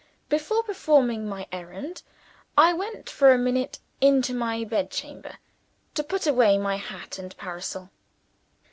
Before performing my errand, I went for a minute into my bedchamber to put away my hat and parasol.